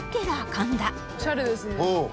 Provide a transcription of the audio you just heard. オシャレですね。